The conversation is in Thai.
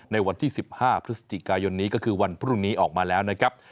ในวันที่๑๕พฤศจิกายนนี้ก็คือวันพรุ่งนี้ออกมาแล้วนะครับ